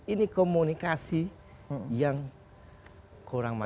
ini komunikasi yang kurang mampu